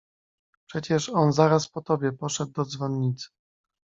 "Przecież on zaraz po tobie poszedł do dzwonnicy."